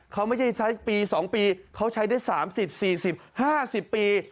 เขาไม่ใช่ใช้ปี๒ปีเขาใช้ได้๓๐๔๐๕๐ปี